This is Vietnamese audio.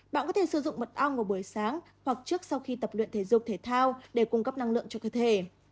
bạn có thể sử dụng mật ong vào buổi sáng hoặc trước sau khi tập luyện thể dục thể thao để cung cấp năng lượng cho cơ thể